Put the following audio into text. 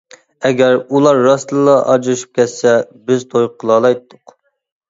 ئەگەر ئۇلار راستتىنلا ئاجرىشىپ كەتسە، بىز توي قىلالايتتۇق.